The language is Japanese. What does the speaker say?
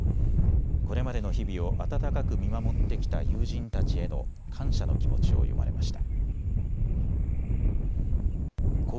これまでの日々を温かく見守ってきた友人たちへの感謝の気持ちを詠まれました。